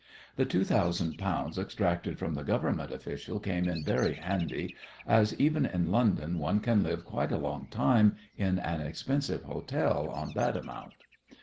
The two thousand pounds extracted from the Government official came in very handy, as even in London one can live quite a long time in an expensive hotel on that amount.